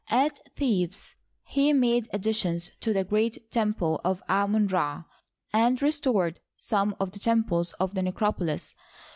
At Thebes he made additions to the great temple of Amon Ra, and restored some of the temples of the necropolis.